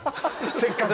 せっかく。